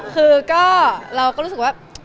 คือก็เราก็รู้สึกว่า